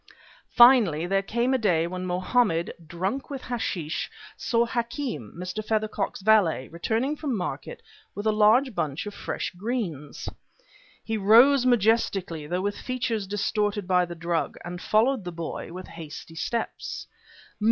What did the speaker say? Finally there came a day when Mohammed, drunk with hashish, saw Hakem, Mr. Feathercock's valet, returning from market with a large bunch of fresh greens. He rose majestically, though with features distorted by the drug, and followed the boy with hasty steps.